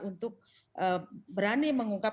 untuk berani mengungkap